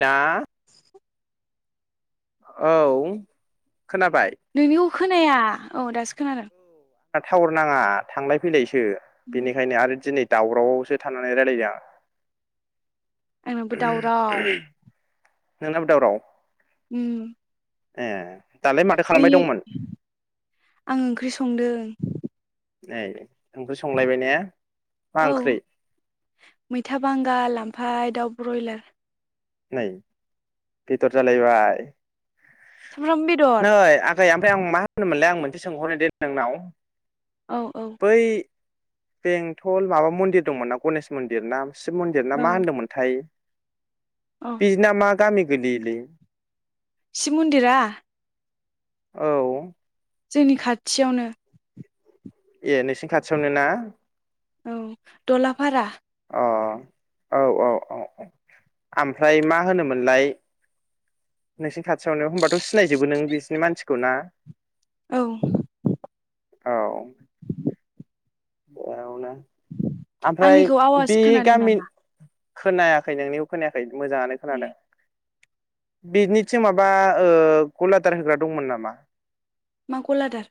दा औ खोनाबाय नोंनिखो खोनाया? औ दासो खोनादों। ना टावार नाङा थांलाय फैलायस सो बेनिखायनो आरो दिनै दावरावआवसो थानानै रायलायदों आं। आंनाबो दावराव। नोंनाबो दावराव? उम ए दालाय माथो खालामबाय बैयो दंमोन आं ओंख्रै संदों। ए औ मैथा बांगाल आमफाय दाउ ब्रयलार नै बेदर जालायबाय। सामब्राम बेदर नै आगै ओमफ्राय आं मा होनोमोनलाय आं मोन दे सोंहरनो दे नोंनाव औ औ बै बेंथल माबा मन्दिर दंमोन ना गनेश मन्दिर ना शिब मन्दिर औ ना मा होन्दोंमोनथाय औ पिजना मा गामि गोलैयोलै? शिब मुन्दिरा? औ जोंनि खाथियावनो। ए नोंसिनि खाथियावनो ना? औ दलाफारा। अ औ औ औ औ ओमफ्राय मा होनोमोनलाय नोंसिनि खाथियावनो होनबाथ' सिनायजोबो नों बिसिनि मानसिखौ ना? औ औ [unintelligible] ओमफ्राय आंनिखौ आवाज बे खोनादों गामि नामा खोनायाखै नोंनिखौ खोनायाखै? मोजाङानो खोनादों। बिनिसो माबा ओ गलादार होग्रा दंमोन नामा? मा गलादार?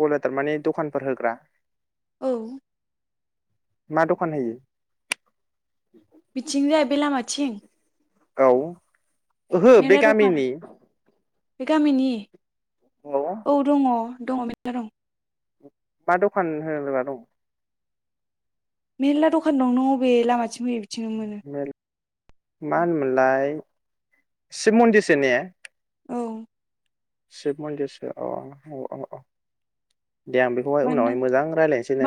गलादार माने दखानफोर होग्रा? औ मा दखान होयो? बिथिं जाय बे लामाथिं? औ ओहो मेरला दखान बेगामिनि? बे गामनि? औ दङ। दङो मेरला दं। मा दखान होग्रा दं? मेरला दखान दं नो अबे लामाथिं फैयो बिथिंनो मोनो मेल मा होनोमोनलाय? सिब मन्दिर सो ने? औ शिब मन्दिरसो अ अ अ अ। दे आं बेखौहाय मानो नां उनावहाय मोजां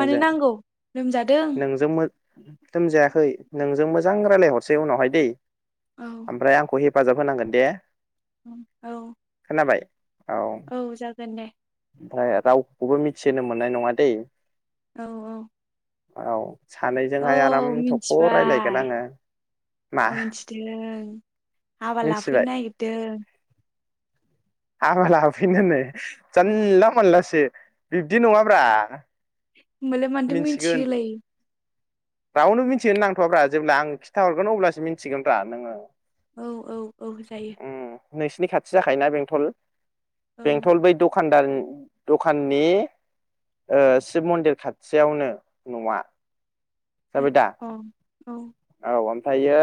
मानो नांगौ लोमजादों नोंजों नोंजों मो लोमजायाखै नोंजों मोजां रायज्लायहरसै उनावहाय दै। औ ओमफ्राय आंखौ हे फाजाब होनांगोन दे। ओं औ जाबाय औ जागोन दे। ओमफ्राय रावखौबो मिथिहोनो मोननाय नङा दैे औ औ औ औ सानैजोंहाय आराम औ थख' रायलायगोन मिथिबाय आङो मा आं मिथिदों हाबा लाफैनो मिथिबाय नागिरदों हाबा लाफैनोै जानला मोनानलासो बिब्दि नङाब्रा ओमबालाय मानोथो मिथिगोन मिथिहोलायि रावनो मिथि होनो नांथ'वाब्रा जेब्ला आं खिथाहरगोन अब्लासो मिथिगोनब्रा नोङो औ औ औ जायो उम नोंसिनि खाथि जाखायोना बेंथल औ बेंथल बै दखानदान दखाननि शिब मन्दिर खाथियावनो न'आ अ जाबाय औ थायो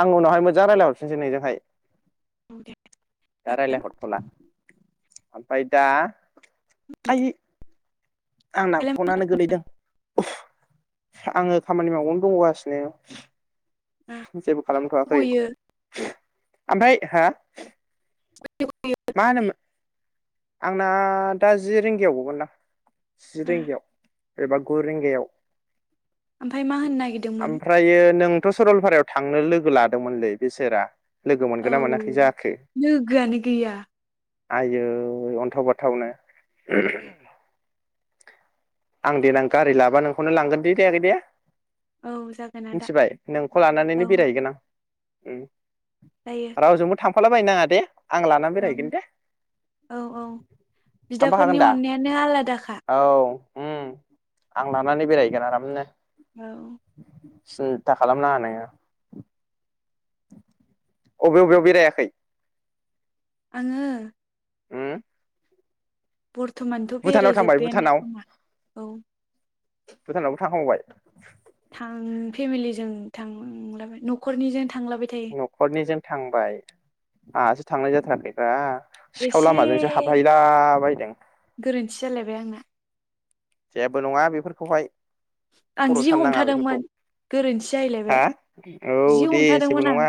आं उनावहाय मोजां रायज्लायहरफिनसै नोंजोंहाय दे दा जागोन रायज्लाय हरथला ओमफाय दा आयै आंना दालाय मा फनानो गोलैदों आङो खामानि मावावनो दंगासिनो जेबो खालामथ'वाखै गयो ओमफ्राय हा मा होनोमोन [unintelligible] आंना दा जि रिंगायाव गगोनदां जि रिंगायाव एबा गु रिंगायाव ओमफ्राय मा होननो नागिरदोंमोन ओमफ्रायो नोंथ' सरलपारायाव थांनो लोगो लादोंमोनलै बिसोरा औ लोगोआनो गैया आयै अन्थाव बाथावनो आं देनां गारि लाबा नोंखौनो लांगोन दे दे आगै दे औ जागोन आदा मिथिबाय नोंखौ लानानैनो औ बेरायहैगोन आं उम जायो रावजोंबो थां फाला बायनाङा दे आं लानानै बेरायहैगोन दे औ औ थांफाखागोन बिदाफोरनि दा अननायानो आलादाखा। औ आं लानानै बेरायहैगोन आरामनो। औ। सिन्था खालामनाङा नोङो। अबे बबेयाव बेरायाखै आङो उम बर्थ'मानथ' भुटानाव थांबाय बेरायजोब्बायानो भुटानाव खोमा औ। भुटानावबो थांखांबावबाय थां फेमिलिजों थांला न'खरनिजों थ न'खरनिजों थांबाय आंहासो थांनाय जाथाराखैबा एसे बायदों गोरोन्थि जालायबाय आंना जेबो नङा बेफोरखौहाय आं खर' जि सानोनाङा हमथादोंमोन बेफोरखौ गोरोन्थि हा जाहैलायबाय औ जि दे हमथादोंमोन जेबो आं नङा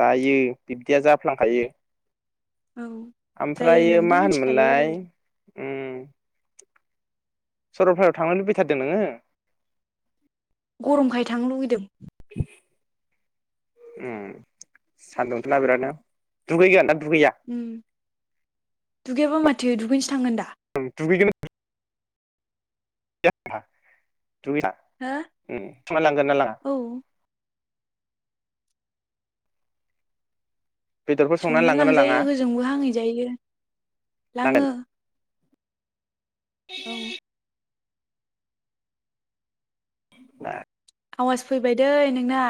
जायो। बिब्दिया जाफ्लांखायो। औ जायो ओमफ्रायो मा होननानैथ' मिथिखायो। होनोमोनलाय उम सरलपारायाव थांनो लुबैथारदों नोङो? गरमखाय थांनो लुुबैदों। ओम सान्दुंथ'ना बिरादनो दुगैगोन? दुगैया? उम दुगैयाबा माथो दगैनसो थांगोन दा। [unintelligible] दुगैला हो स्ला लांगोनना लाङा? औ बेदरफोर संनानै संना लांगोन ना लांजायो लाङा होजोंबो हांहैजायो लांगोन लाङो। औ [unintelligible] आवाज फैबाय दै नोंना।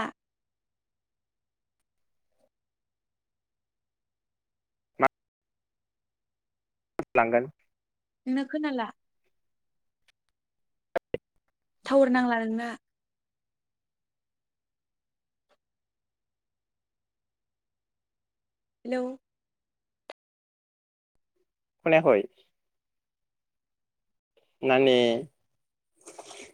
लांगोन। नोंना खोनाला। थावार नांला नोंना। हेलौ। खोनायाखै? माने